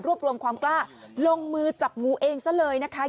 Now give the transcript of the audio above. รวมความกล้าลงมือจับงูเองซะเลยนะคะ